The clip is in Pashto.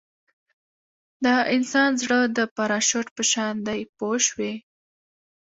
د انسان زړه د پراشوټ په شان دی پوه شوې!.